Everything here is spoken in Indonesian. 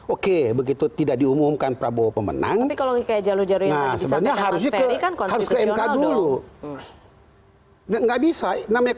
oke begitu tidak diumumkan prabowo pemenang kalau jauh jauh harus ke sepuluh dulu nggak bisa namanya